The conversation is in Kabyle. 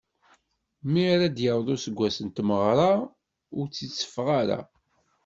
Mi ara d-yaweḍ useggas n tmegra, ur itteffeɣ ara.